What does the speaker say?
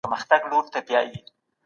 د هرات قلعه ډېره لویه او پخوانۍ ده.